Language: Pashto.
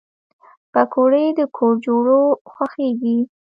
پکورې د کور جوړو خوښېږي